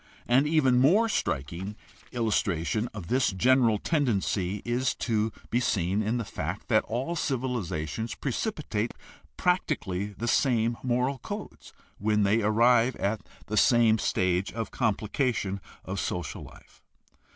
An even more striking illustration of this general tendency is to be seen in the fact that all civilizations pre cipitate practically the same moral codes when they arrive at the same stage of complication of social life.